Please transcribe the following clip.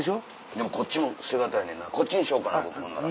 でもこっちも捨て難いねんなこっちにしようかなほんなら。